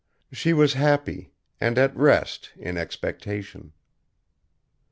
She was happy and at rest in expectation.